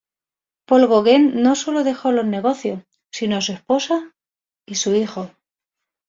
Paul Gauguin no sólo dejó los negocios, sino a su esposa y sus hijos.